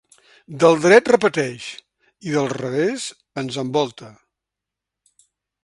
Del dret repeteix i del revés ens envolta.